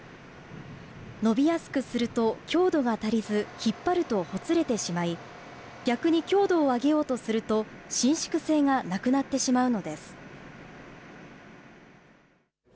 伸びやすくすると強度が足りず、引っ張るとほつれてしまい、逆に強度を上げようとすると、伸縮性がなくなってしまうのです。